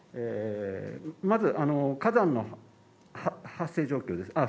まず火山の発生状況です